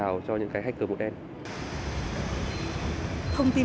là một trong những nguyên nhân phiền toái mà rất nhiều người gặp phải